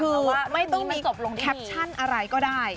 คือไม่ต้องมีแคปชั่นอะไรก็ได้